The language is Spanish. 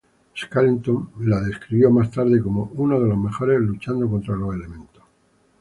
Shackleton le describió más tarde como "uno de los mejores luchando contra los elementos".